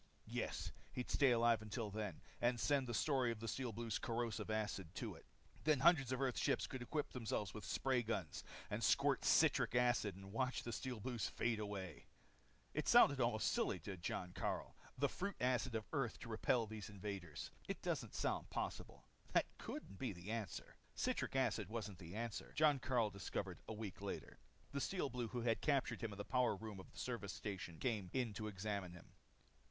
Yes, he'd stay alive till then. And send the story of the Steel Blues' corrosive acid to it. Then hundreds of Earth's ships could equip themselves with spray guns and squirt citric acid and watch the Steel Blues fade away. It sounded almost silly to Jon Karyl. The fruit acid of Earth to repel these invaders it doesn't sound possible. That couldn't be the answer. Citric acid wasn't the answer, Jon Karyl discovered a week later. The Steel Blue who had captured him in the power room of the service station came in to examine him.